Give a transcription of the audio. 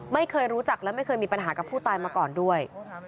ไม่เคยรู้จักและไม่เคยมีปัญหากับผู้ตายมาก่อนด้วย